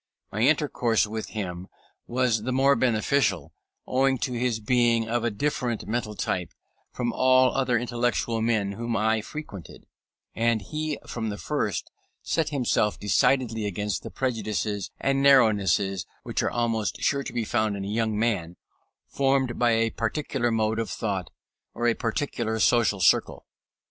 My intercourse with him was the more beneficial, owing to his being of a different mental type from all other intellectual men whom I frequented, and he from the first set himself decidedly against the prejudices and narrownesses which are almost sure to be found in a young man formed by a particular mode of thought or a particular social circle.